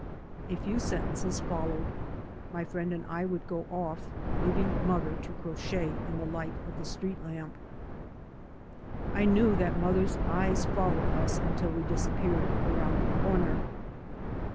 A few sentences followed. My friend and I would go off, leaving mother to crochet in the light of the street lamp. I knew that mother's eyes followed us until we disappeared around the corner.